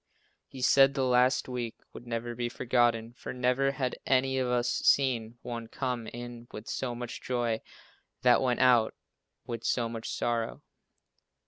He said the last week would never be forgotten, for never had any of us seen one come in with so much joy, that went out with so much sorrow.